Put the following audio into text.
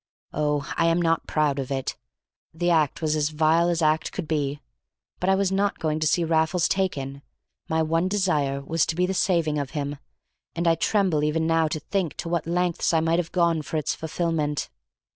Oh, I am not proud of it; the act was as vile as act could be; but I was not going to see Raffles taken, my one desire was to be the saving of him, and I tremble even now to think to what lengths I might have gone for its fulfilment.